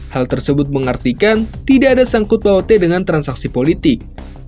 hal tersebut mengartikan tidak ada sangkut bawati dengan transaksi politik